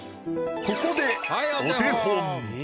ここでお手本。